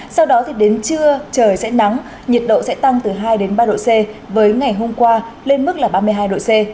sau đó đến trưa trời sẽ nắng nhiệt độ sẽ tăng từ hai đến ba độ c với ngày hôm qua lên mức là ba mươi hai độ c